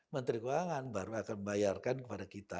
menteri keuangan baru akan membayarkan kepada kita